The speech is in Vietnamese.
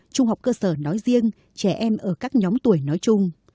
trung học cơ sở nói riêng trẻ em ở các nhóm tuổi nói chung